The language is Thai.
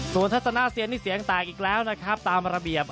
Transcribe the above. ส่วนทัศนาเซียนนี่เสียงแตกอีกแล้วนะครับตามระเบียบ